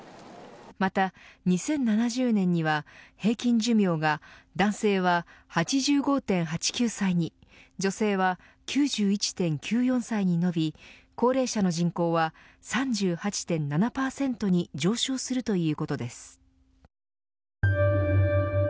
また、２０７０年には平均寿命が男性は８５．８９歳に女性は、９１．１４歳に伸び高齢者の人口は３８．７％に上昇するということです。